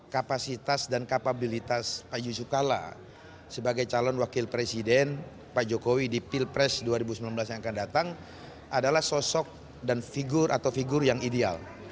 kapasitas dan kapabilitas pak yusuf kalla sebagai calon wakil presiden pak jokowi di pilpres dua ribu sembilan belas yang akan datang adalah sosok dan figur atau figur yang ideal